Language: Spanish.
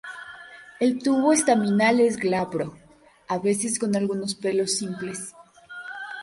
El tubo estaminal es glabro, a veces con algunos pelos simples.